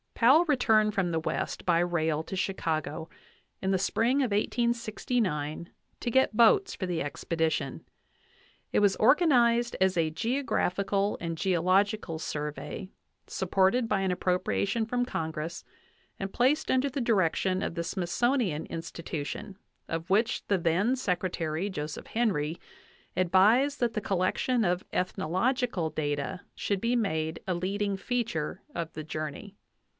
Powell returned from the West by rail to Chicago in the spring of 1869 to get boats for the expedition. It was organ ized as a geographical and geological survey, supported by an appropriation from Congress and placed under the direction of the Smithsonian Institution, of which the then Secretary, Joseph Henry, advised that the collection of ethnological data should be made a leading feature of the journey.